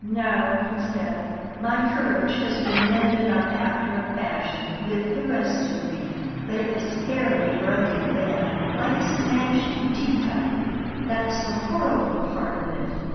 "No," he said; "my courage has been mended up after a fashion, with the rest of me; but it was fairly broken then, like a smashed tea cup; that's the horrible part of it.